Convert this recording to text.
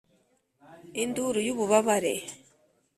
induru y'ububabare,